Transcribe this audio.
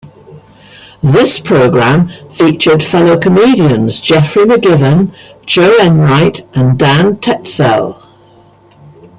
This programme featured fellow comedians Geoffrey McGivern, Jo Enright and Dan Tetsell.